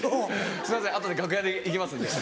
すいません後で楽屋行きますんで。